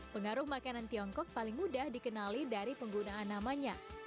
pengaruh makanan tiongkok paling mudah dikenali dari penggunaan namanya